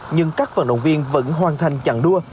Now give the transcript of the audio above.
nhưng các vận động viên vẫn hoàn thành chặng đua